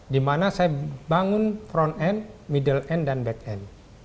di mana saya bangun front end middle end dan back end